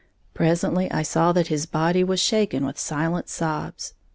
Presently I saw that his body was shaken with silent sobs.